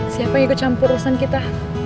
siapa yang ikut campur urusan kita